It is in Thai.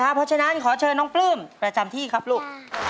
เพราะฉะนั้นขอเชิญน้องปลื้มประจำที่ครับลูก